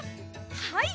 はい！